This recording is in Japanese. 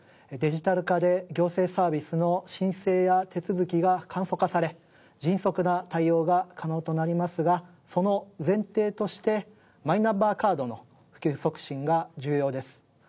デジタル化で行政サービスの申請や手続きが簡素化され迅速な対応が可能となりますがその前提としてマイナンバーカードの普及促進が重要です。